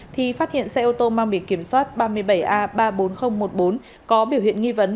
thì phát hiện xe ô tô mang bị kiểm soát ba mươi bảy a ba mươi bốn nghìn một mươi bốn có biểu hiện nghi vấn